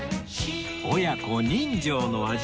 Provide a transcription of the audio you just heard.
親子人情の味。